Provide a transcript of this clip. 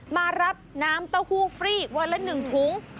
มารับน้ำเต้าหู้ฟรีวันละ๑ถุง